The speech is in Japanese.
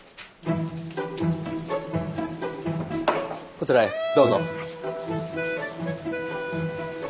こちらへどうぞ。